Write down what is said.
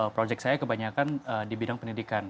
proyek saya kebanyakan di bidang pendidikan